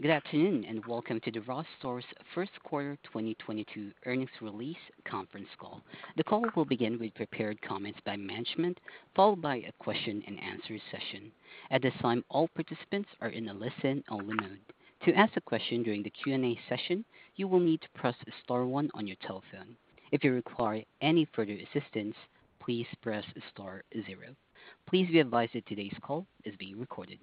Good afternoon, and welcome to the Ross Stores first quarter 2022 earnings release conference call. The call will begin with prepared comments by management, followed by a question-and-answer session. At this time, all participants are in a listen-only mode. To ask a question during the Q&A session, you will need to press star one on your telephone. If you require any further assistance, please press star zero. Please be advised that today's call is being recorded.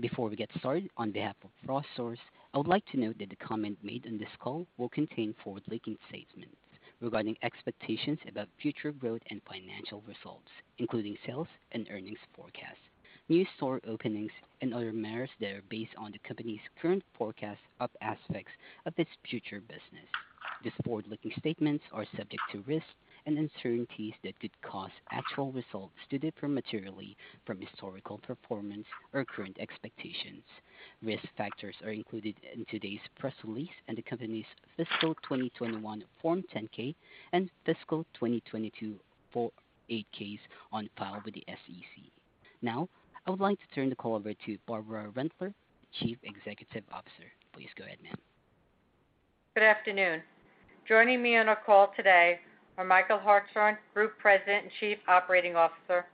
Before we get started, on behalf of Ross Stores, I would like to note that the comment made on this call will contain forward-looking statements regarding expectations about future growth and financial results, including sales and earnings forecasts, new store openings, and other matters that are based on the company's current forecasts of aspects of its future business. These forward-looking statements are subject to risks and uncertainties that could cause actual results to differ materially from historical performance or current expectations. Risk factors are included in today's press release and the company's fiscal 2021 Form 10-K and fiscal 2022 Form 8-Ks on file with the SEC. Now, I would like to turn the call over to Barbara Rentler, Chief Executive Officer. Please go ahead, ma'am. Good afternoon. Joining me on our call today are Michael Hartshorn, Group President and Chief Operating Officer,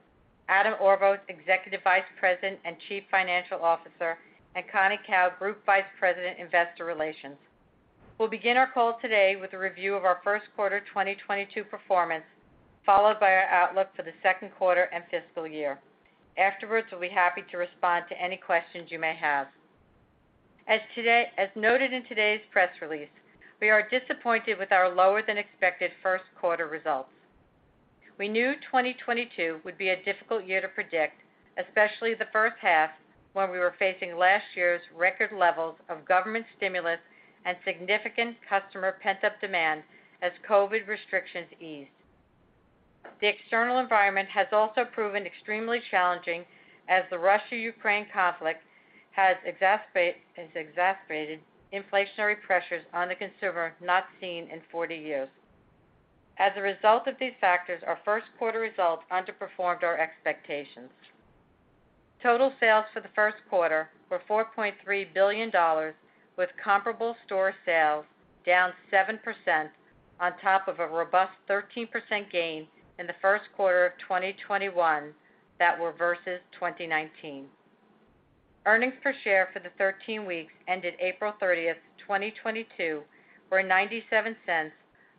Adam Orvos, Executive Vice President and Chief Financial Officer, and Connie Kao, Group Vice President, Investor Relations. We'll begin our call today with a review of our first quarter 2022 performance, followed by our outlook for the second quarter and fiscal year. Afterwards, we'll be happy to respond to any questions you may have. As noted in today's press release, we are disappointed with our lower than expected first quarter results. We knew 2022 would be a difficult year to predict, especially the first half, when we were facing last year's record levels of government stimulus and significant customer pent-up demand as COVID restrictions eased. The external environment has also proven extremely challenging as the Russia-Ukraine conflict has exacerbated inflationary pressures on the consumer not seen 40 years. As a result of these factors, our first quarter results underperformed our expectations. Total sales for the first quarter were $4.3 billion, with comparable store sales down 7% on top of a robust 13% gain in the first quarter of 2021 that were versus 2019. Earnings per share for the 13 weeks ended April 30th, 2022 were $0.97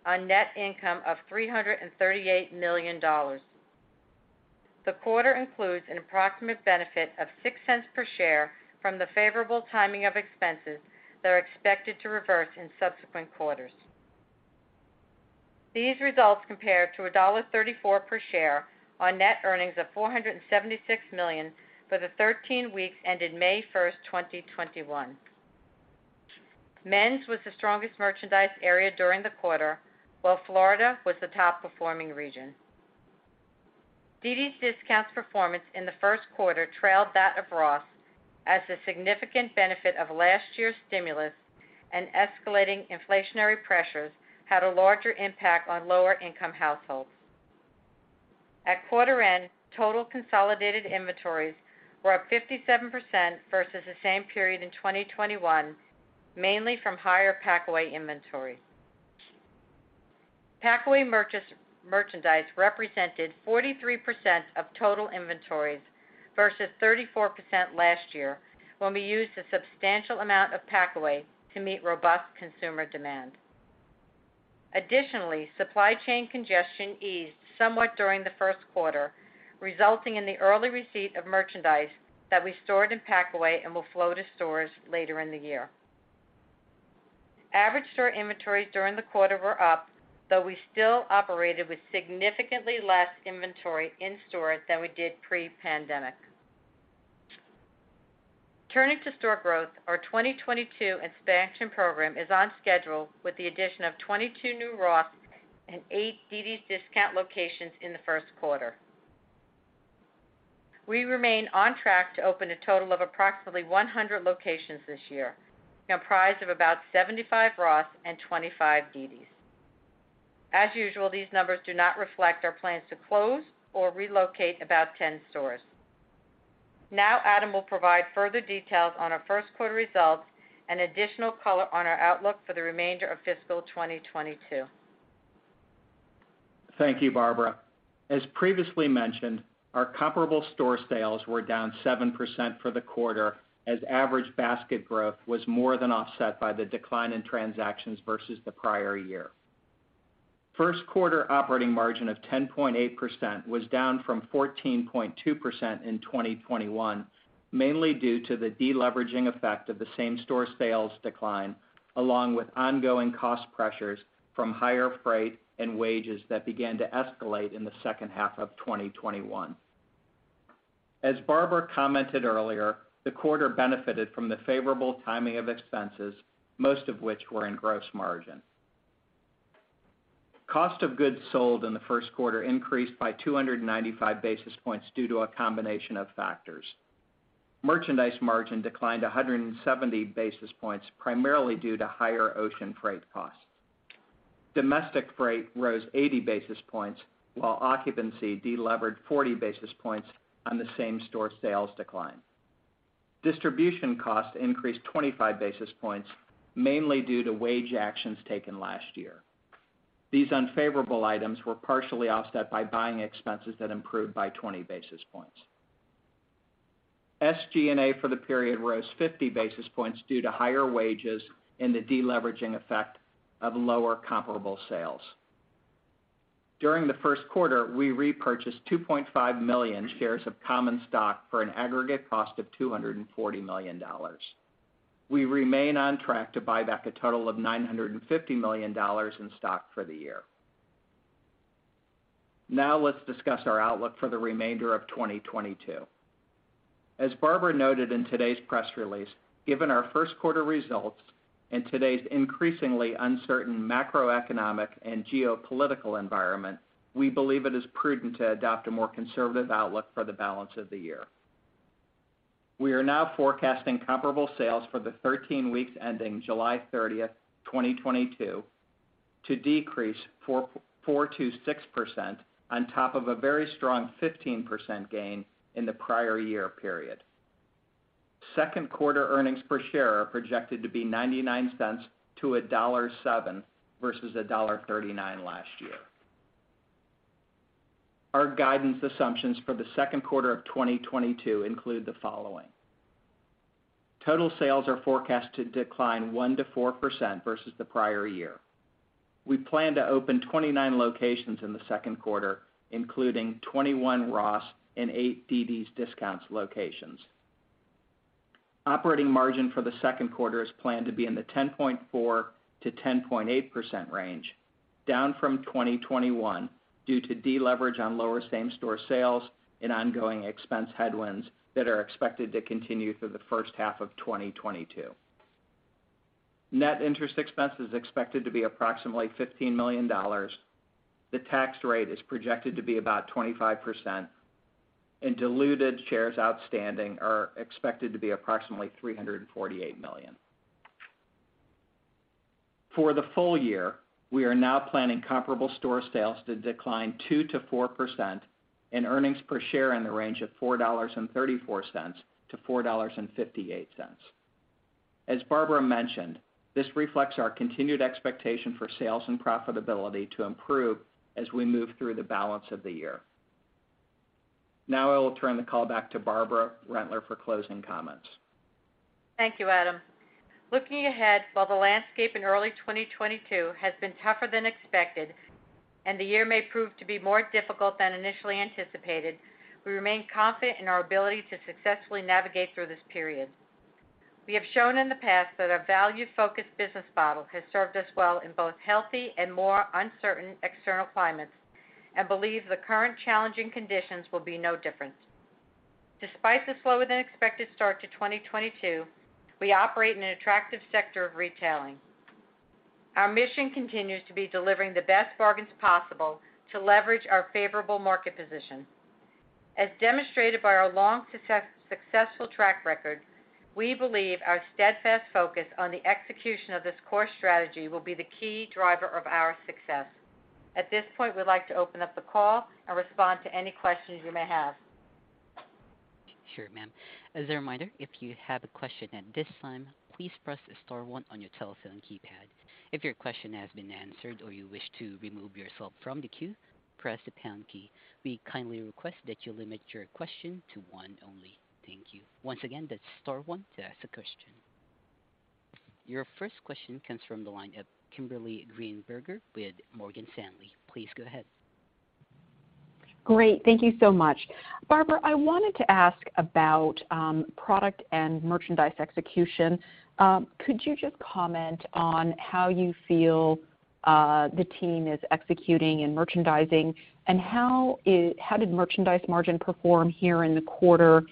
on net income of $338 million. The quarter includes an approximate benefit of $0.06 per share from the favorable timing of expenses that are expected to reverse in subsequent quarters. These results compare to $1.34 per share on net earnings of $476 million for the 13 weeks ended May 1, 2021. Men's was the strongest merchandise area during the quarter, while Florida was the top performing region. Dd's DISCOUNTS performance in the first quarter trailed that of Ross as the significant benefit of last year's stimulus and escalating inflationary pressures had a larger impact on lower income households. At quarter end, total consolidated inventories were up 57% versus the same period in 2021, mainly from higher packaway inventories. Packaway merchandise represented 43% of total inventories versus 34% last year, when we used a substantial amount of packaway to meet robust consumer demand. Additionally, supply chain congestion eased somewhat during the first quarter, resulting in the early receipt of merchandise that we stored in packaway and will flow to stores later in the year. Average store inventories during the quarter were up, though we still operated with significantly less inventory in stores than we did pre-pandemic. Turning to store growth, our 2022 expansion program is on schedule with the addition of 22 new Ross and eight dd's DISCOUNTS locations in the first quarter. We remain on track to open a total of approximately 100 locations this year, comprised of about 75 Ross and 25 dd's DISCOUNTS. As usual, these numbers do not reflect our plans to close or relocate about 10 stores. Now Adam will provide further details on our first quarter results and additional color on our outlook for the remainder of fiscal 2022. Thank you, Barbara. As previously mentioned, our comparable store sales were down 7% for the quarter as average basket growth was more than offset by the decline in transactions versus the prior year. First quarter operating margin of 10.8% was down from 14.2% in 2021, mainly due to the deleveraging effect of the same store sales decline along with ongoing cost pressures from higher freight and wages that began to escalate in the second half of 2021. As Barbara commented earlier, the quarter benefited from the favorable timing of expenses, most of which were in gross margin. Cost of goods sold in the first quarter increased by 295 basis points due to a combination of factors. Merchandise margin declined 170 basis points primarily due to higher ocean freight costs. Domestic freight rose 80 basis points, while occupancy delevered 40 basis points on the same store sales decline. Distribution costs increased 25 basis points, mainly due to wage actions taken last year. These unfavorable items were partially offset by buying expenses that improved by 20 basis points. SG&A for the period rose 50 basis points due to higher wages and the deleveraging effect of lower comparable sales. During the first quarter, we repurchased 2.5 million shares of common stock for an aggregate cost of $240 million. We remain on track to buy back a total of $950 million in stock for the year. Now let's discuss our outlook for the remainder of 2022. As Barbara noted in today's press release, given our first quarter results and today's increasingly uncertain macroeconomic and geopolitical environment, we believe it is prudent to adopt a more conservative outlook for the balance of the year. We are now forecasting comparable sales for the 13 weeks ending July 30, 2022 to decrease 4%-6% on top of a very strong 15% gain in the prior year period. Second quarter earnings per share are projected to be $0.99-$1.07 versus $1.39 last year. Our guidance assumptions for the second quarter of 2022 include the following. Total sales are forecast to decline 1%-4% versus the prior year. We plan to open 29 locations in the second quarter, including 21 Ross and eight dd's DISCOUNTS locations. Operating margin for the second quarter is planned to be in the 10.4%-10.8% range, down from 2021 due to deleverage on lower same-store sales and ongoing expense headwinds that are expected to continue through the first half of 2022. Net interest expense is expected to be approximately $15 million. The tax rate is projected to be about 25%, and diluted shares outstanding are expected to be approximately 348 million. For the full year, we are now planning comparable store sales to decline 2%-4% and earnings per share in the range of $4.34-$4.58. As Barbara mentioned, this reflects our continued expectation for sales and profitability to improve as we move through the balance of the year. Now I will turn the call back to Barbara Rentler for closing comments. Thank you, Adam. Looking ahead, while the landscape in early 2022 has been tougher than expected and the year may prove to be more difficult than initially anticipated, we remain confident in our ability to successfully navigate through this period. We have shown in the past that our value focused business model has served us well in both healthy and more uncertain external climates and believe the current challenging conditions will be no different. Despite the slower than expected start to 2022, we operate in an attractive sector of retailing. Our mission continues to be delivering the best bargains possible to leverage our favorable market position. As demonstrated by our long successful track record, we believe our steadfast focus on the execution of this core strategy will be the key driver of our success. At this point, we'd like to open up the call and respond to any questions you may have. Sure, ma'am. As a reminder, if you have a question at this time, please press star one on your telephone keypad. If your question has been answered or you wish to remove yourself from the queue, press the pound key. We kindly request that you limit your question to one only. Thank you. Once again, that's star one to ask a question. Your first question comes from the line of Kimberly Greenberger with Morgan Stanley. Please go ahead. Great. Thank you so much. Barbara, I wanted to ask about product and merchandise execution. Could you just comment on how you feel the team is executing and merchandising, and how did merchandise margin perform here in the quarter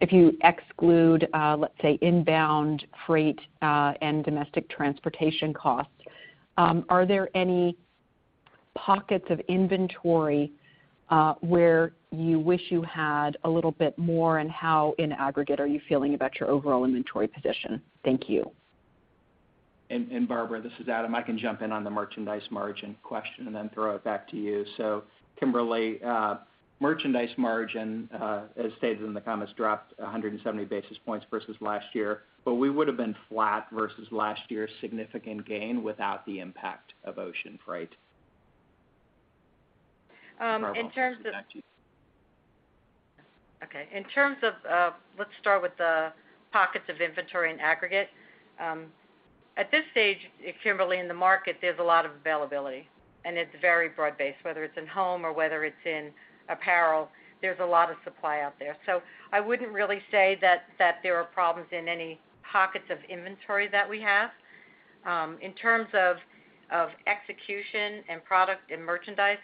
if you exclude, let's say, inbound freight and domestic transportation costs? Are there any pockets of inventory where you wish you had a little bit more? And how in aggregate are you feeling about your overall inventory position? Thank you. Barbara, this is Adam. I can jump in on the merchandise margin question and then throw it back to you. Kimberly, merchandise margin, as stated in the comments, dropped 170 basis points versus last year, but we would have been flat versus last year's significant gain without the impact of ocean freight. Barbara, I'll throw it back to you. In terms of, let's start with the pockets of inventory and aggregate. At this stage, Kimberly, in the market, there's a lot of availability, and it's very broad based. Whether it's in home or whether it's in apparel, there's a lot of supply out there. I wouldn't really say that there are problems in any pockets of inventory that we have. In terms of execution and product and merchandise,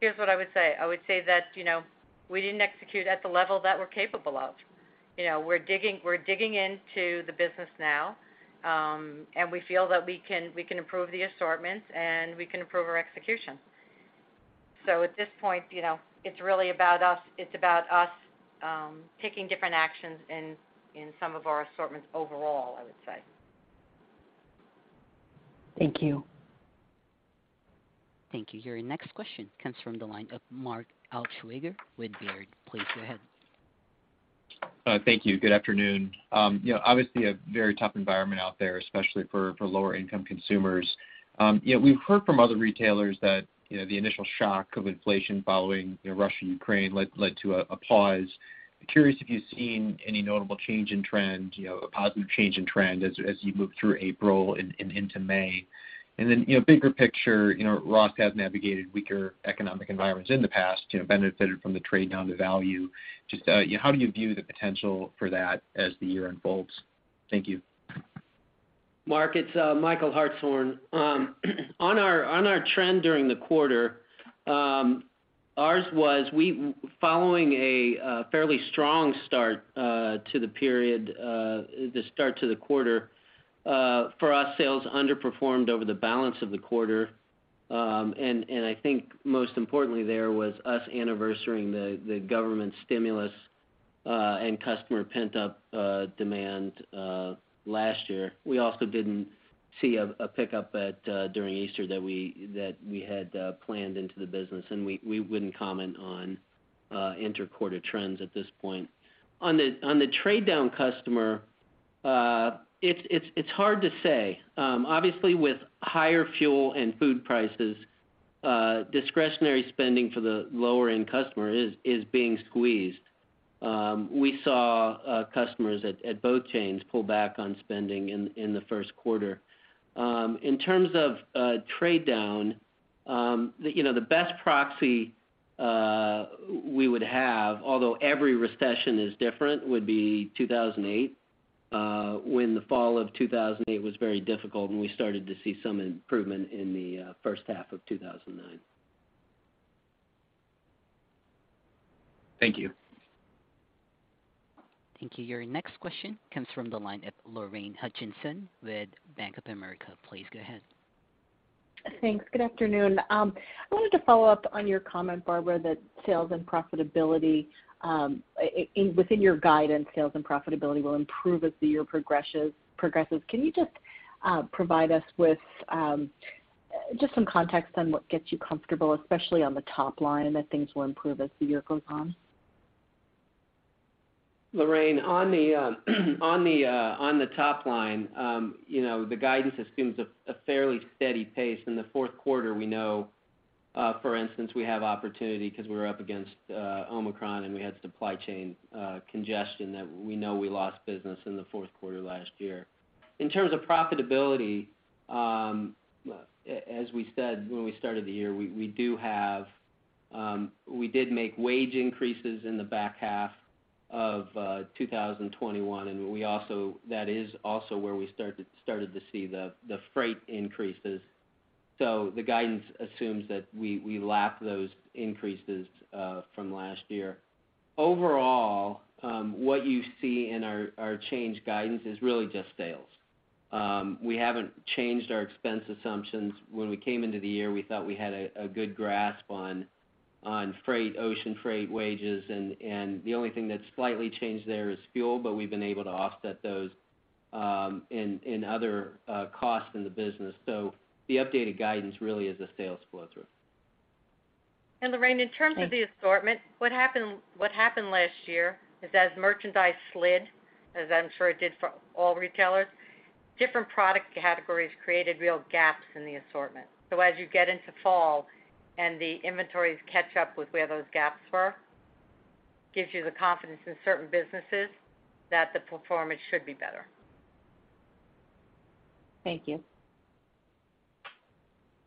here's what I would say. I would say that, you know, we didn't execute at the level that we're capable of. You know, we're digging into the business now, and we feel that we can improve the assortments and we can improve our execution. At this point, you know, it's really about us taking different actions in some of our assortments overall, I would say. Thank you. Thank you. Your next question comes from the line of Mark Altschwager with Baird. Please go ahead. Thank you. Good afternoon. You know, obviously a very tough environment out there, especially for lower income consumers. You know, we've heard from other retailers that the initial shock of inflation following Russia and Ukraine led to a pause. Curious if you've seen any notable change in trend, you know, a positive change in trend as you move through April and into May. Then, you know, bigger picture, you know, Ross has navigated weaker economic environments in the past, you know, benefited from the trade down to value. Just, you know, how do you view the potential for that as the year unfolds? Thank you. Mark, it's Michael Hartshorn. On our trend during the quarter, ours was following a fairly strong start to the period, the start to the quarter for us, sales underperformed over the balance of the quarter. I think most importantly there was us anniversarying the government stimulus and customer pent-up demand last year. We also didn't see a pickup during Easter that we had planned into the business, and we wouldn't comment on inter-quarter trends at this point. On the trade-down customer, it's hard to say. Obviously with higher fuel and food prices, discretionary spending for the lower-end customer is being squeezed. We saw customers at both chains pull back on spending in the first quarter. In terms of trade down, you know, the best proxy we would have, although every recession is different, would be 2008, when the fall of 2008 was very difficult, and we started to see some improvement in the first half of 2009. Thank you. Thank you. Your next question comes from the line of Lorraine Hutchinson with Bank of America. Please go ahead. Thanks. Good afternoon. I wanted to follow up on your comment, Barbara, that sales and profitability within your guidance will improve as the year progresses. Can you just provide us with just some context on what gets you comfortable, especially on the top line, that things will improve as the year goes on? Lorraine, on the top line, you know, the guidance assumes a fairly steady pace. In the fourth quarter, we know, for instance, we have opportunity because we were up against Omicron, and we had supply chain congestion that we know we lost business in the fourth quarter last year. In terms of profitability, as we said when we started the year, we did make wage increases in the back half of 2021, and we also started to see the freight increases. The guidance assumes that we lap those increases from last year. Overall, what you see in our changed guidance is really just sales. We haven't changed our expense assumptions. When we came into the year, we thought we had a good grasp on freight, ocean freight wages and the only thing that's slightly changed there is fuel, but we've been able to offset those in other costs in the business. The updated guidance really is a sales flow through. Lorraine, in terms of the assortment, what happened last year is as merchandise slid, as I'm sure it did for all retailers, different product categories created real gaps in the assortment. As you get into fall and the inventories catch up with where those gaps were, gives you the confidence in certain businesses that the performance should be better. Thank you.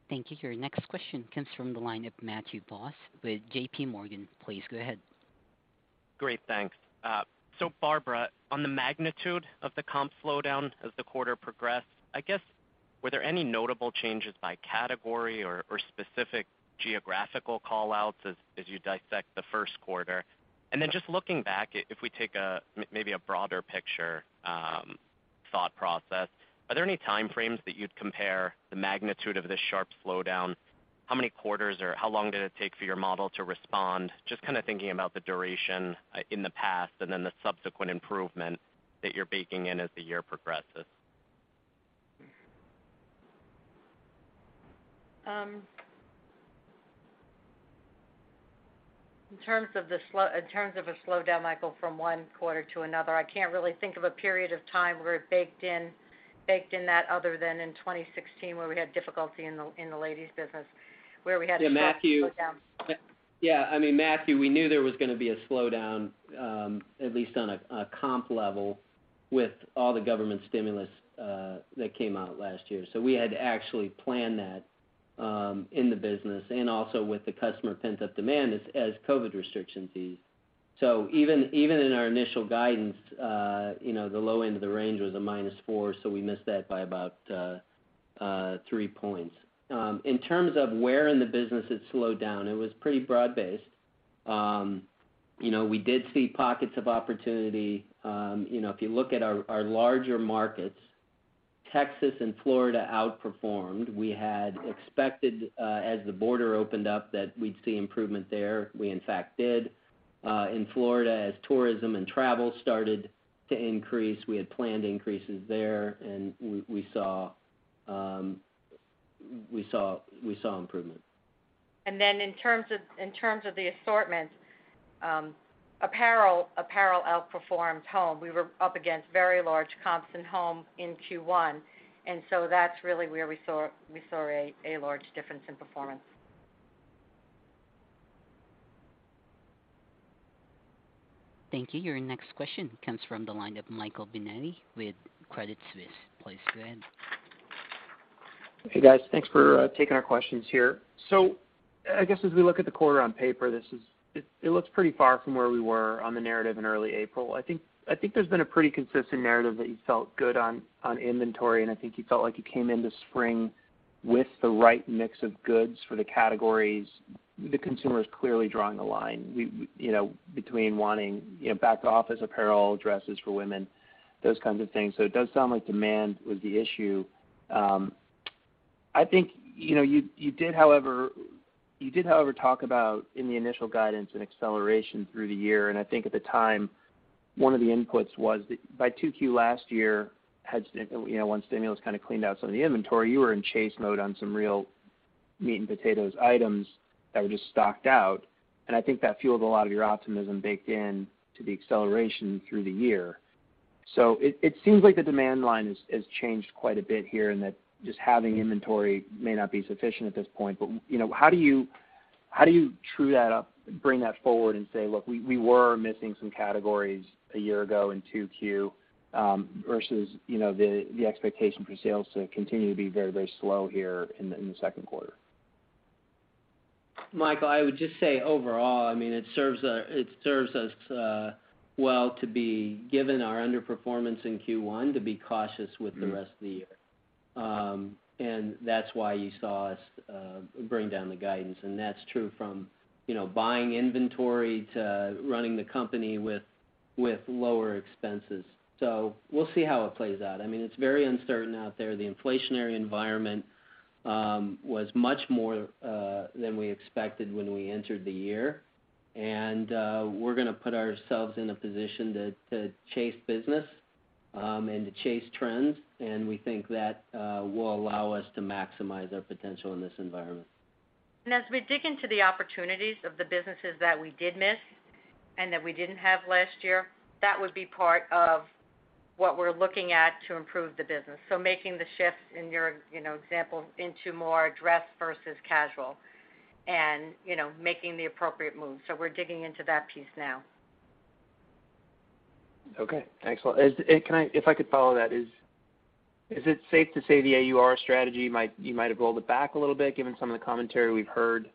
Thank you. Your next question comes from the line of Matthew Boss with JPMorgan. Please go ahead. Great, thanks. So Barbara, on the magnitude of the comp slowdown as the quarter progressed, I guess, were there any notable changes by category or specific geographical call-outs as you dissect the first quarter? Then just looking back, if we take a maybe a broader picture, thought process, are there any time frames that you'd compare the magnitude of this sharp slowdown? How many quarters or how long did it take for your model to respond? Just kinda thinking about the duration in the past and then the subsequent improvement that you're baking in as the year progresses. In terms of a slowdown, Michael, from one quarter to another, I can't really think of a period of time where we baked in that other than in 2016 where we had difficulty in the ladies business, where we had to. Yeah, Matthew. Slow down. Yeah, I mean, Matthew, we knew there was gonna be a slowdown, at least on a comp level with all the government stimulus that came out last year. We had to actually plan that in the business and also with the customer pent-up demand as COVID restrictions eased. Even in our initial guidance, you know, the low end of the range was -4%, so we missed that by about 3 points. In terms of where in the business it slowed down, it was pretty broad-based. You know, we did see pockets of opportunity. You know, if you look at our larger markets, Texas and Florida outperformed. We had expected, as the border opened up, that we'd see improvement there. We, in fact, did. In Florida, as tourism and travel started to increase, we had planned increases there, and we saw improvement. In terms of the assortments, apparel outperformed home. We were up against very large comps in home in Q1, and so that's really where we saw a large difference in performance. Thank you. Your next question comes from the line of Michael Binetti with Credit Suisse. Please go ahead. Hey, guys. Thanks for taking our questions here. I guess as we look at the quarter on paper, it looks pretty far from where we were on the narrative in early April. I think there's been a pretty consistent narrative that you felt good on inventory, and I think you felt like you came into spring with the right mix of goods for the categories. The consumer is clearly drawing a line. You know, between wanting, you know, back-to-office apparel, dresses for women, those kinds of things. It does sound like demand was the issue. I think you know you did however talk about in the initial guidance an acceleration through the year, and I think at the time, one of the inputs was that by 2Q last year had. You know, when stimulus kind of cleaned out some of the inventory, you were in chase mode on some real meat and potatoes items that were just stocked out, and I think that fueled a lot of your optimism baked in to the acceleration through the year. It seems like the demand line has changed quite a bit here and that just having inventory may not be sufficient at this point. You know, how do you true that up, bring that forward and say, "Look, we were missing some categories a year ago in 2Q," versus, you know, the expectation for sales to continue to be very, very slow here in the second quarter? Michael, I would just say overall, I mean, it serves us well to be given our underperformance in Q1 to be cautious with the rest of the year. That's why you saw us bring down the guidance, and that's true from, you know, buying inventory to running the company with lower expenses. We'll see how it plays out. I mean, it's very uncertain out there. The inflationary environment was much more than we expected when we entered the year. We're gonna put ourselves in a position to chase business and to chase trends, and we think that will allow us to maximize our potential in this environment. As we dig into the opportunities of the businesses that we did miss and that we didn't have last year, that would be part of what we're looking at to improve the business. Making the shifts in your, you know, example into more dress versus casual and, you know, making the appropriate moves. We're digging into that piece now. Okay. Excellent. If I could follow that. Is it safe to say the AUR strategy you might have rolled it back a little bit given some of the commentary we've heard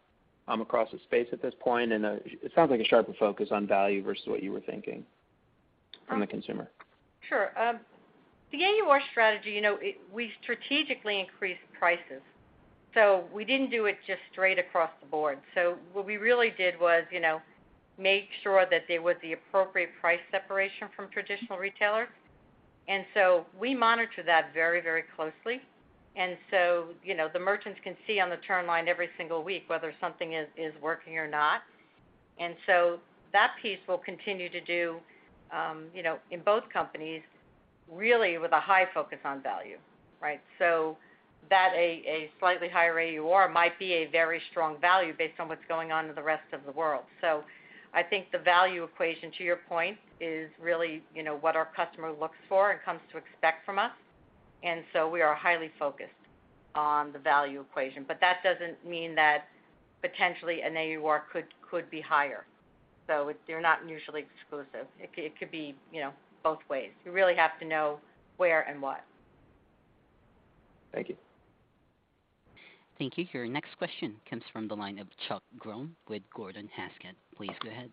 across the space at this point? It sounds like a sharper focus on value versus what you were thinking from the consumer. Sure. The AUR strategy, you know, we strategically increased prices, so we didn't do it just straight across the board. What we really did was, you know, make sure that there was the appropriate price separation from traditional retailers. We monitor that very, very closely. You know, the merchants can see on the turn line every single week whether something is working or not. That piece will continue to do, you know, in both companies really with a high focus on value, right? That a slightly higher AUR might be a very strong value based on what's going on in the rest of the world. I think the value equation, to your point, is really, you know, what our customer looks for and comes to expect from us. We are highly focused on the value equation. That doesn't mean that potentially an AUR could be higher. It's. They're not mutually exclusive. It could be, you know, both ways. You really have to know where and what. Thank you. Thank you. Your next question comes from the line of Charles Grom with Gordon Haskett. Please go ahead.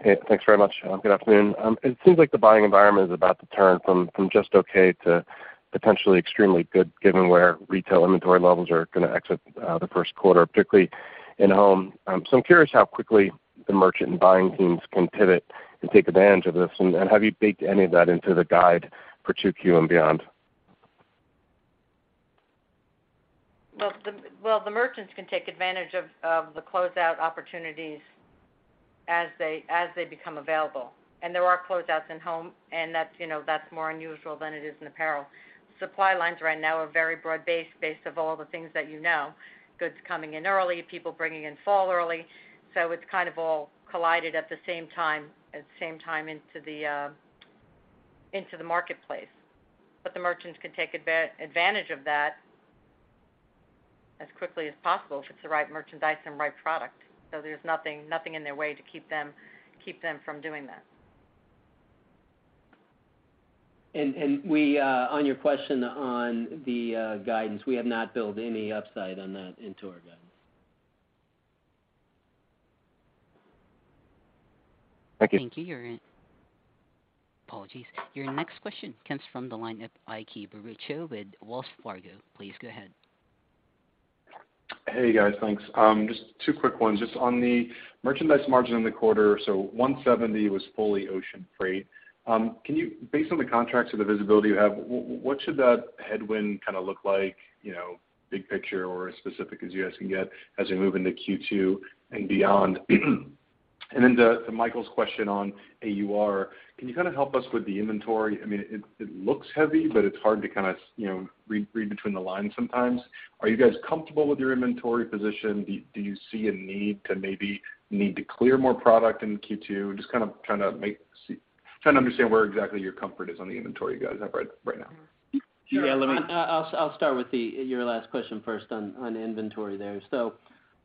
Hey, thanks very much. Good afternoon. It seems like the buying environment is about to turn from just okay to potentially extremely good given where retail inventory levels are gonna exit the first quarter, particularly in home. So I'm curious how quickly the merchant and buying teams can pivot and take advantage of this. Have you baked any of that into the guide for 2Q and beyond? The merchants can take advantage of the closeout opportunities as they become available. There are closeouts in home and that's, you know, that's more unusual than it is in apparel. Supply lines right now are very broad-based because of all the things that you know, goods coming in early, people bringing in fall early. It's kind of all collided at the same time into the marketplace. The merchants can take advantage of that as quickly as possible if it's the right merchandise and right product. There's nothing in their way to keep them from doing that. On your question on the guidance, we have not built any upside on that into our guidance. Thank you. Thank you. Your next question comes from the line of Irwin Boruchow with Wells Fargo. Please go ahead. Hey guys, thanks. Just two quick ones. Just on the merchandise margin in the quarter, so 170 was fully ocean freight. Can you, based on the contracts or the visibility you have, what should that headwind kinda look like, you know, big picture or as specific as you guys can get as we move into Q2 and beyond? To Michael's question on AUR, can you kind of help us with the inventory? I mean, it looks heavy, but it's hard to kind of, you know, read between the lines sometimes. Are you guys comfortable with your inventory position? Do you see a need to clear more product in Q2? Just kind of trying to understand where exactly your comfort is on the inventory you guys have right now. Yeah, let me- Sure. I'll start with your last question first on inventory there.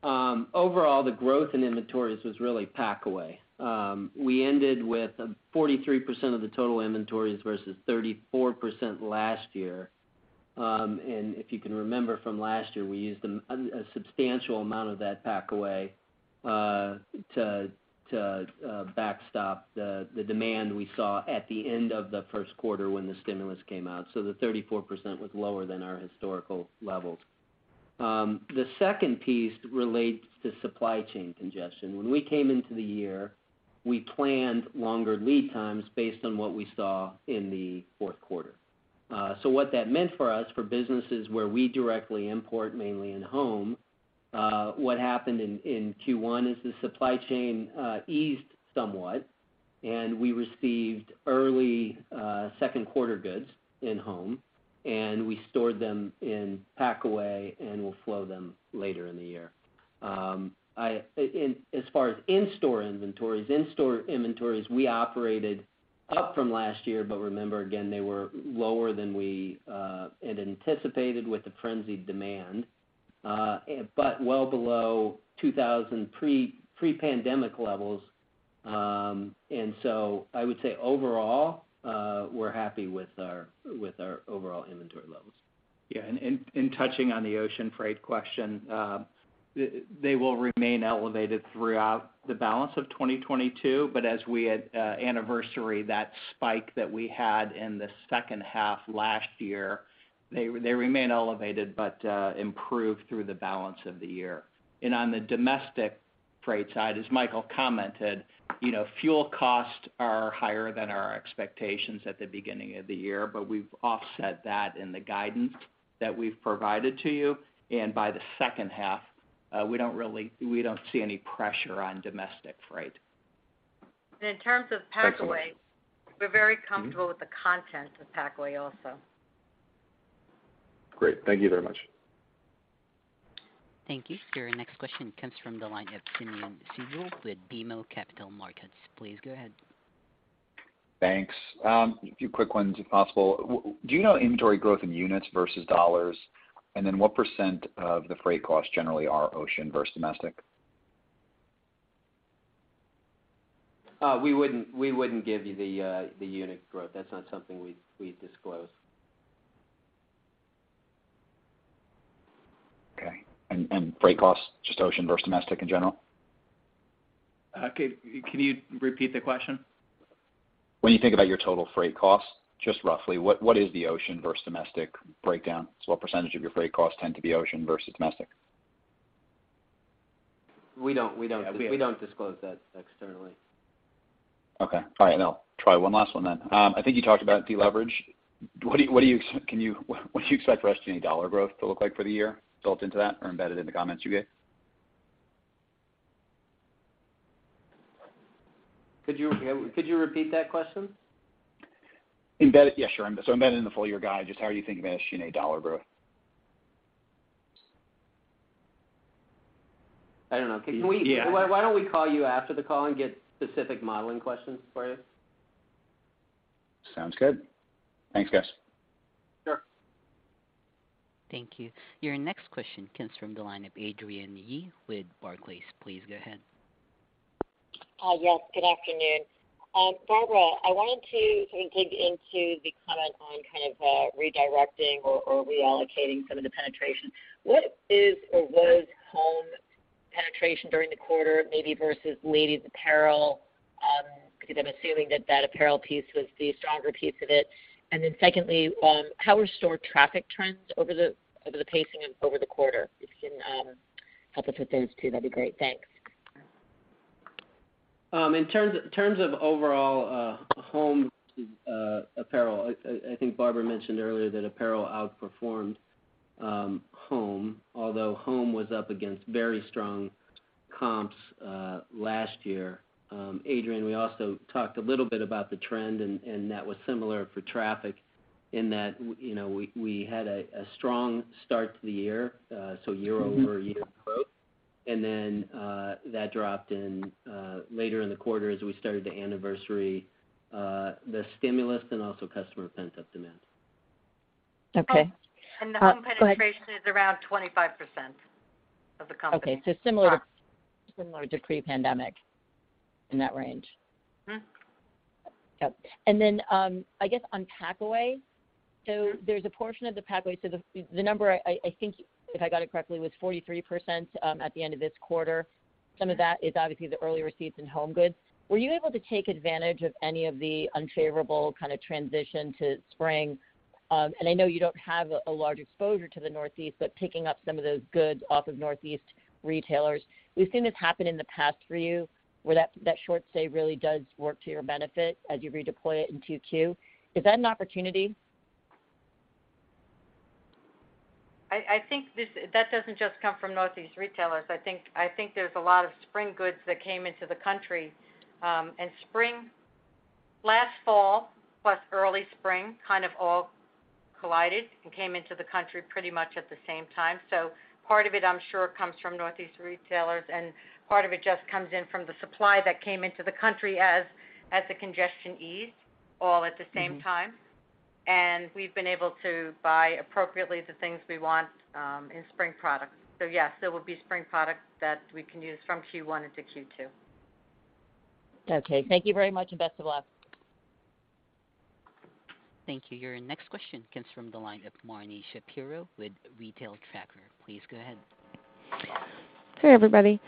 Overall, the growth in inventories was really packaway. We ended with 43% of the total inventories versus 34% last year. If you can remember from last year, we used a substantial amount of that packaway to backstop the demand we saw at the end of the first quarter when the stimulus came out. The 34% was lower than our historical levels. The second piece relates to supply chain congestion. When we came into the year, we planned longer lead times based on what we saw in the fourth quarter. What that meant for us for businesses where we directly import mainly in home, what happened in Q1 is the supply chain eased somewhat and we received early second quarter goods in home, and we stored them in packaway and we'll flow them later in the year. As far as in-store inventories, we operated up from last year, but remember, again, they were lower than we had anticipated with the frenzied demand, but well below 2,000 pre-pandemic levels. I would say overall, we're happy with our overall inventory levels. Yeah. Touching on the ocean freight question, they will remain elevated throughout the balance of 2022, but as we anniversary that spike that we had in the second half last year, they remain elevated but improved through the balance of the year. On the domestic freight side, as Michael commented, you know, fuel costs are higher than our expectations at the beginning of the year, but we've offset that in the guidance that we've provided to you. By the second half, we don't see any pressure on domestic freight. In terms of packaway. Thanks so much. We're very comfortable with the content of packaway also. Great. Thank you very much. Thank you. Your next question comes from the line of Simeon Siegel with BMO Capital Markets. Please go ahead. Thanks. A few quick ones, if possible. Do you know inventory growth in units versus dollars? Then what % of the freight costs generally are ocean versus domestic? We wouldn't give you the unit growth. That's not something we disclose. Okay. Freight costs, just ocean versus domestic in general? Can you repeat the question? When you think about your total freight costs, just roughly, what is the ocean versus domestic breakdown? What percentage of your freight costs tend to be ocean versus domestic? We don't. Yeah. We don't disclose that externally. Okay. All right. I'll try one last one then. I think you talked about deleverage. What do you expect the rest of unit dollar growth to look like for the year built into that or embedded in the comments you gave? Could you repeat that question? Yeah, sure. Embedded in the full year guide, just how are you thinking about unit dollar growth? I don't know. Yeah. Why don't we call you after the call and get specific modeling questions for you? Sounds good. Thanks, guys. Sure. Thank you. Your next question comes from the line of Adrienne Yih with Barclays. Please go ahead. Yes, good afternoon. Barbara, I wanted to sort of dig into the comment on kind of redirecting or reallocating some of the penetration. What is or was home penetration during the quarter, maybe versus ladies apparel? Because I'm assuming that apparel piece was the stronger piece of it. Secondly, how were store traffic trends over the pacing and over the quarter? If you can help us with those two, that'd be great. Thanks. In terms of overall home apparel, I think Barbara mentioned earlier that apparel outperformed home, although home was up against very strong comps last year. Adrienne, we also talked a little bit about the trend and that was similar for traffic in that, you know, we had a strong start to the year, so year-over-year growth. Then that dropped in later in the quarter as we started to anniversary the stimulus and also customer pent-up demand. Okay. Go ahead. The home penetration is around 25% of the company. Okay. Similar to pre-pandemic, in that range? Mm-hmm. Okay. I guess on packaway, so there's a portion of the packaway. The number I think, if I got it correctly, was 43% at the end of this quarter. Some of that is obviously the early receipts in home goods. Were you able to take advantage of any of the unfavorable kind of transition to spring? I know you don't have a large exposure to the Northeast, but picking up some of those goods off of Northeast retailers. We've seen this happen in the past for you, where that short stay really does work to your benefit as you redeploy it in Q2. Is that an opportunity? That doesn't just come from Northeast retailers. I think there's a lot of spring goods that came into the country. Spring last fall plus early spring kind of all collided and came into the country pretty much at the same time. Part of it, I'm sure, comes from Northeast retailers, and part of it just comes in from the supply that came into the country as the congestion eased all at the same time. Mm-hmm. We've been able to buy appropriately the things we want, in spring products. Yes, there will be spring products that we can use from Q1 into Q2. Okay. Thank you very much, and best of luck. Thank you. Your next question comes from the line of Marni Shapiro with Retail Tracker. Please go ahead. Hey, everybody.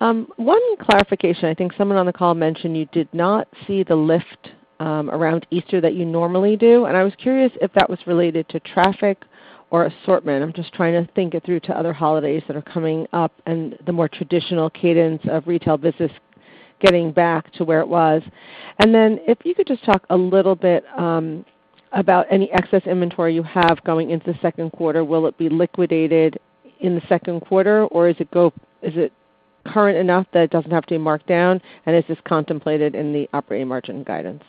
One clarification. I think someone on the call mentioned you did not see the lift around Easter that you normally do, and I was curious if that was related to traffic or assortment. I'm just trying to think it through to other holidays that are coming up and the more traditional cadence of retail business getting back to where it was. Then if you could just talk a little bit about any excess inventory you have going into the second quarter. Will it be liquidated in the second quarter, or is it current enough that it doesn't have to be marked down? And is this contemplated in the operating margin guidance?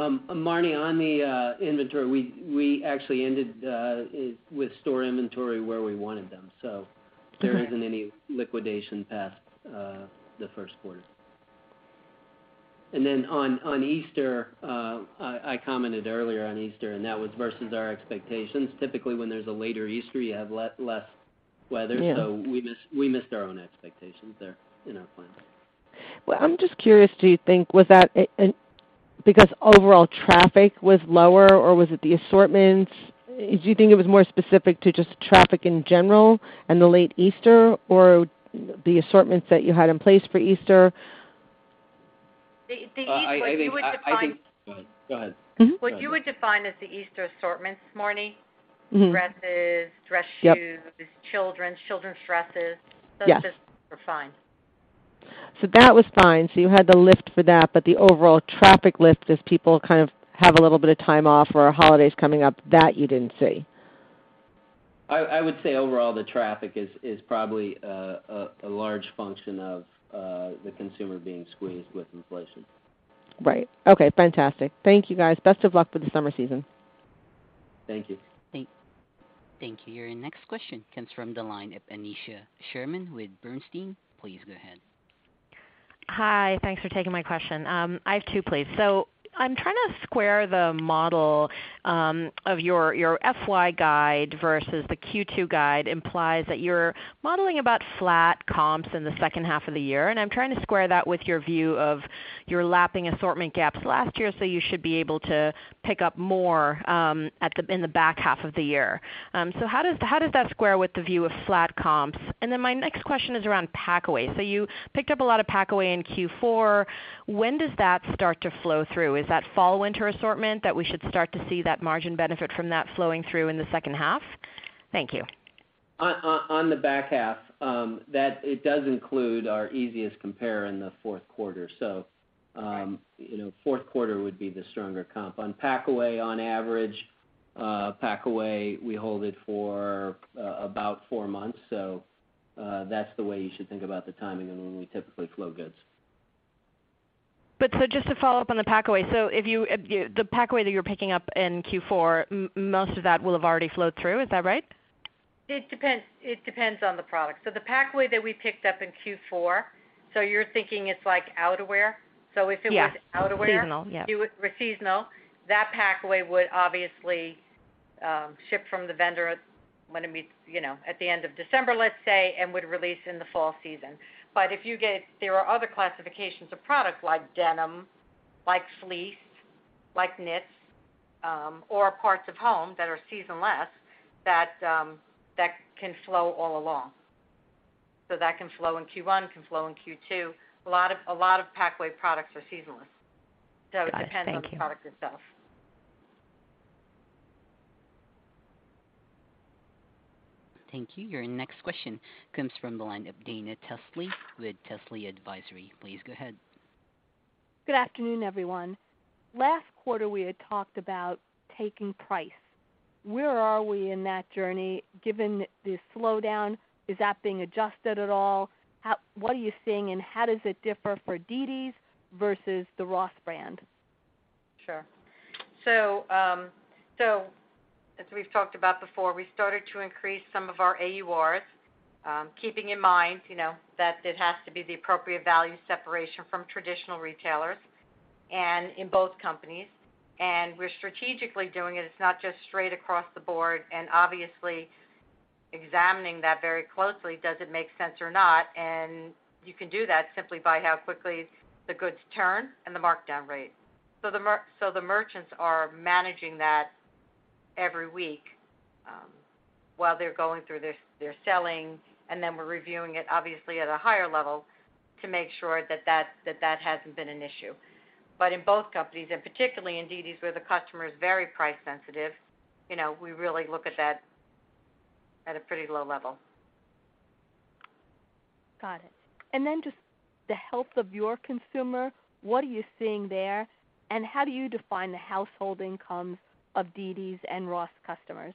Marni, on the inventory, we actually ended with store inventory where we wanted them. Okay. There isn't any liquidation past the first quarter. Then on Easter, I commented earlier on Easter, and that was versus our expectations. Typically, when there's a later Easter, you have less weather. Yeah. We missed our own expectations there in our plans. Well, I'm just curious, because overall traffic was lower, or was it the assortments? Do you think it was more specific to just traffic in general and the late Easter or the assortments that you had in place for Easter? The East, what you would define. I think. Go ahead. Mm-hmm. What you would define as the Easter assortments, Marni? Mm-hmm dresses, dress shoes. Yep Children, children's dresses. Yeah. Those just were fine. That was fine. You had the lift for that, but the overall traffic lift as people kind of have a little bit of time off or holidays coming up, that you didn't see. I would say overall, the traffic is probably a large function of the consumer being squeezed with inflation. Right. Okay. Fantastic. Thank you, guys. Best of luck with the summer season. Thank you. Thank you. Your next question comes from the line of Aneesha Sherman with Bernstein. Please go ahead. Hi. Thanks for taking my question. I have two, please. I'm trying to square the model of your FY guide versus the Q2 guide implies that you're modeling about flat comps in the second half of the year. I'm trying to square that with your view of your lapping assortment gaps last year, so you should be able to pick up more at the in the back half of the year. How does that square with the view of flat comps? My next question is around packaway. You picked up a lot of packaway in Q4. When does that start to flow through? Is that fall/winter assortment that we should start to see that margin benefit from that flowing through in the second half? Thank you. On the back half, that it does include our easiest compare in the fourth quarter. Okay. You know, fourth quarter would be the stronger comp. On packaway, on average, we hold it for about four months. That's the way you should think about the timing and when we typically flow goods. Just to follow up on the packaway. The packaway that you're picking up in Q4, most of that will have already flowed through. Is that right? It depends. It depends on the product. The packaway that we picked up in Q4, you're thinking it's like outerwear? Yeah. If it was outerwear. Seasonal, yeah. Seasonal, that packaway would obviously ship from the vendor when it would be, you know, at the end of December, let's say, and would release in the fall season. There are other classifications of product like denim, like fleece, like knits, or parts of home that are seasonless, that can flow all along. That can flow in Q1, can flow in Q2. A lot of packaway products are seasonless. Got it. Thank you. It depends on the product itself. Thank you. Your next question comes from the line of Dana Telsey with Telsey Advisory Group. Please go ahead. Good afternoon, everyone. Last quarter, we had talked about taking price. Where are we in that journey given the slowdown? Is that being adjusted at all? What are you seeing, and how does it differ for dd's versus the Ross brand? Sure. As we've talked about before, we started to increase some of our AURs, keeping in mind, you know, that it has to be the appropriate value separation from traditional retailers and in both companies. We're strategically doing it. It's not just straight across the board and obviously examining that very closely. Does it make sense or not? You can do that simply by how quickly the goods turn and the markdown rate. The merchants are managing that every week. While they're going through their selling, and then we're reviewing it obviously at a higher level to make sure that that hasn't been an issue. In both companies, and particularly in dd's where the customer is very price sensitive, you know, we really look at that at a pretty low level. Got it. Just the health of your consumer, what are you seeing there, and how do you define the household incomes of dd's and Ross customers?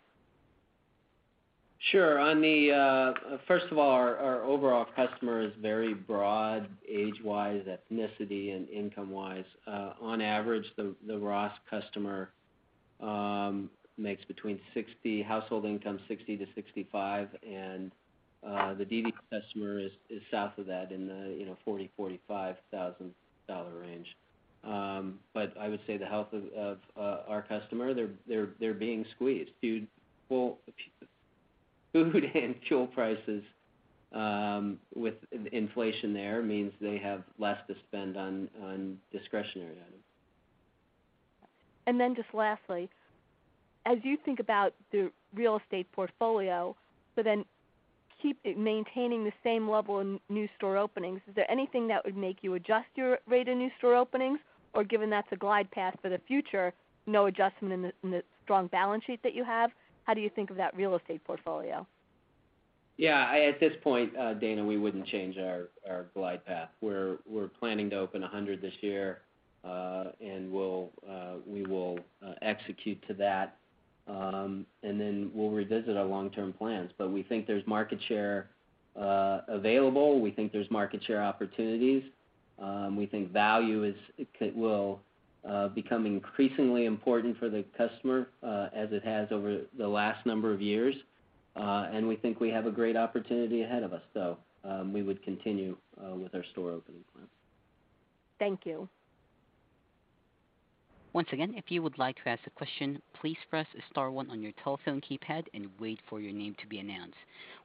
Sure. On the first of all, our overall customer is very broad age-wise, ethnicity, and income-wise. On average, the Ross customer makes between $60,000-$65,000 household income, and the dd's customer is south of that in the, you know, $40,000-$45,000 range. But I would say the health of our customer, they're being squeezed due to food and fuel prices, with inflation there means they have less to spend on discretionary items. Just lastly, as you think about the real estate portfolio, but then keep it maintaining the same level in new store openings, is there anything that would make you adjust your rate of new store openings? Or given that's a glide path for the future, no adjustment in the strong balance sheet that you have, how do you think of that real estate portfolio? Yeah. At this point, Dana, we wouldn't change our glide path. We're planning to open 100 this year, and we'll execute to that. Then we'll revisit our long-term plans. We think there's market share available. We think there's market share opportunities. We think value will become increasingly important for the customer, as it has over the last number of years. We think we have a great opportunity ahead of us. We would continue with our store opening plans. Thank you. Once again, if you would like to ask a question, please press star one on your telephone keypad and wait for your name to be announced.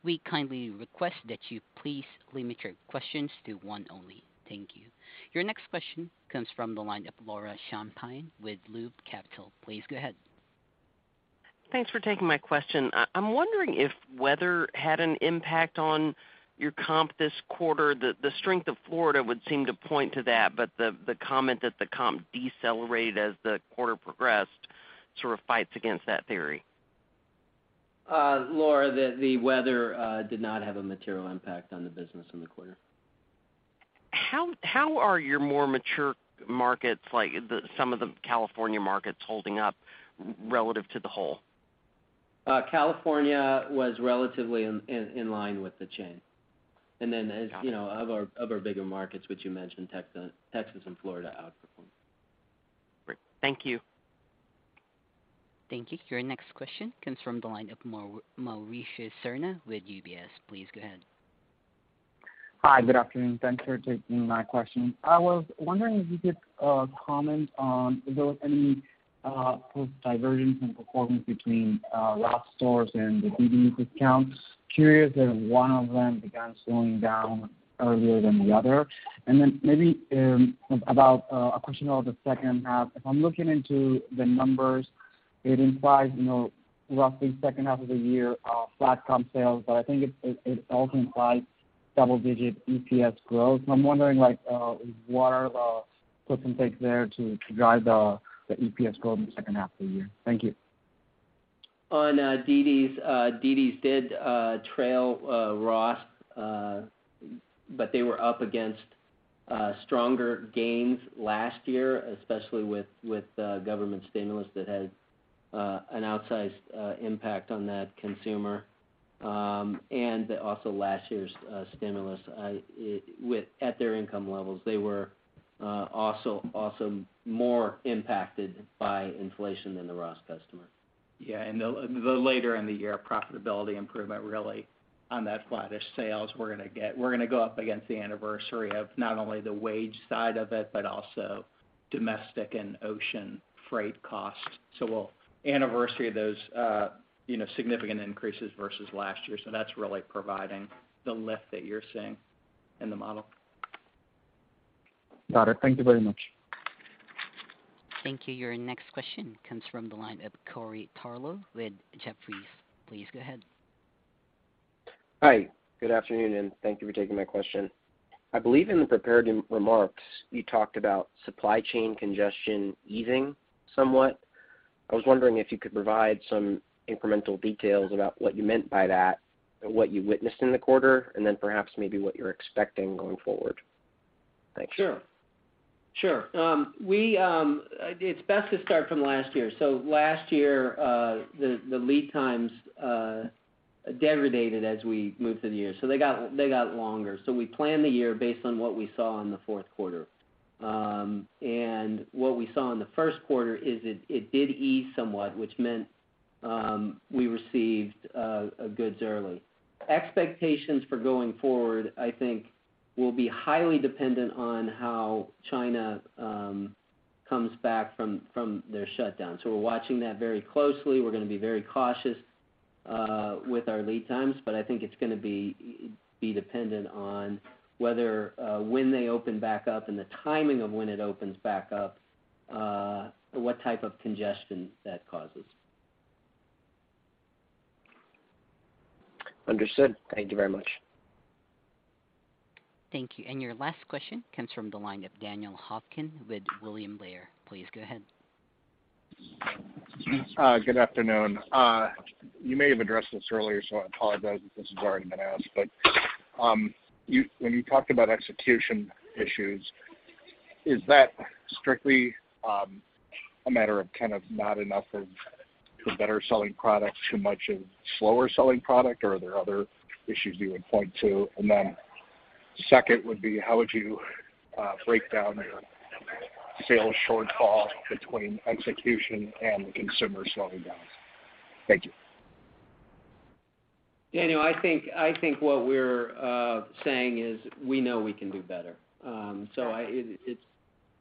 We kindly request that you please limit your questions to one only. Thank you. Your next question comes from the line of Laura Champine with Loop Capital. Please go ahead. Thanks for taking my question. I'm wondering if weather had an impact on your comp this quarter. The strength of Florida would seem to point to that, but the comment that the comp decelerated as the quarter progressed sort of fights against that theory. Laura, the weather did not have a material impact on the business in the quarter. How are your more mature markets like some of the California markets holding up relative to the whole? California was relatively in line with the chain. Then as you know, other bigger markets which you mentioned, Texas and Florida outperformed. Great. Thank you. Thank you. Your next question comes from the line of Mauricio Serna with UBS. Please go ahead. Hi. Good afternoon. Thanks for taking my question. I was wondering if you could comment on if there was any post divergence in performance between Ross Stores and the dd's DISCOUNTS. Curious if one of them began slowing down earlier than the other. Then maybe about a question on the second half. If I'm looking into the numbers, it implies roughly second half of the year flat comp sales, but I think it also implies double digit EPS growth. I'm wondering what are the gives and takes there to drive the EPS growth in the second half of the year? Thank you. On dd's did trail Ross, but they were up against stronger gains last year, especially with government stimulus that had an outsized impact on that consumer. Also last year's stimulus at their income levels, they were also more impacted by inflation than the Ross customer. Yeah. The later in the year profitability improvement really on that flattish sales we're gonna get. We're gonna go up against the anniversary of not only the wage side of it, but also domestic and ocean freight costs. We'll anniversary those, you know, significant increases versus last year. That's really providing the lift that you're seeing in the model. Got it. Thank you very much. Thank you. Your next question comes from the line of Corey Tarlowe with Jefferies. Please go ahead. Hi. Good afternoon, and thank you for taking my question. I believe in the prepared remarks, you talked about supply chain congestion easing somewhat. I was wondering if you could provide some incremental details about what you meant by that and what you witnessed in the quarter, and then perhaps maybe what you're expecting going forward. Thanks. Sure. It's best to start from last year. Last year, the lead times degraded as we moved through the year. They got longer. We planned the year based on what we saw in the fourth quarter. What we saw in the first quarter is it did ease somewhat, which meant we received goods early. Expectations for going forward, I think, will be highly dependent on how China comes back from their shutdown. We're watching that very closely. We're gonna be very cautious with our lead times. I think it's gonna be dependent on whether, when they open back up and the timing of when it opens back up, what type of congestion that causes. Understood. Thank you very much. Thank you. Your last question comes from the line of Daniel Hofkin with William Blair. Please go ahead. Good afternoon. You may have addressed this earlier, so I apologize if this has already been asked. When you talked about execution issues, is that strictly a matter of kind of not enough of the better selling products, too much of slower selling product, or are there other issues you would point to? Second would be how would you break down your sales shortfall between execution and the consumer slowing down? Thank you. Daniel, I think what we're saying is we know we can do better. It's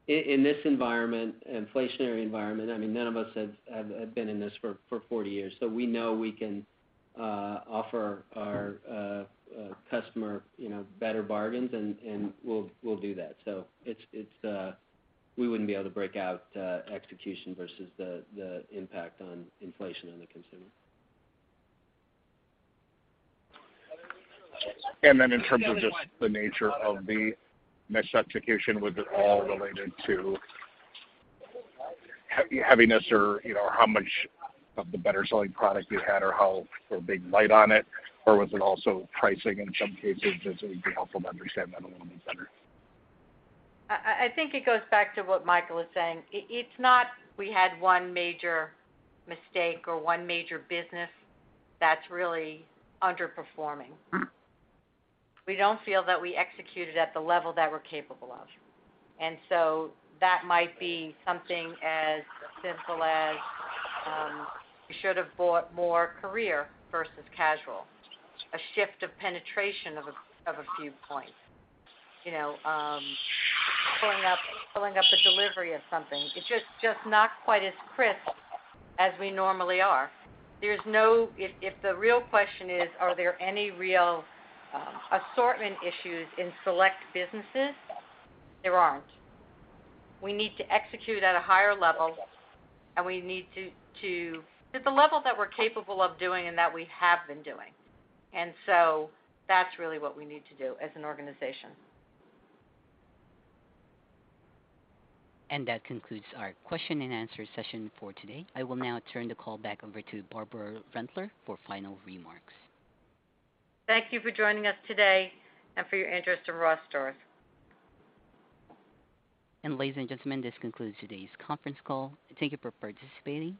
in this environment, inflationary environment. I mean, none of us have been in this for 40 years. We know we can offer our customer, you know, better bargains and we'll do that. It's. We wouldn't be able to break out execution versus the impact on inflation on the consumer. In terms of just the nature of the misexecution, was it all related to heaviness or, you know, how much of the better selling product you had or how or being light on it? Or was it also pricing in some cases, as it would be helpful to understand that a little bit better. I think it goes back to what Michael is saying. It's not we had one major mistake or one major business that's really underperforming. Mm-hmm. We don't feel that we executed at the level that we're capable of. That might be something as simple as we should have bought more career versus casual, a shift of penetration of a few points. You know, filling up a delivery of something. It's just not quite as crisp as we normally are. If the real question is, are there any real assortment issues in select businesses? There aren't. We need to execute at a higher level, and we need to at the level that we're capable of doing and that we have been doing. That's really what we need to do as an organization. That concludes our question and answer session for today. I will now turn the call back over to Barbara Rentler for final remarks. Thank you for joining us today and for your interest in Ross Stores. Ladies and gentlemen, this concludes today's conference call. Thank you for participating.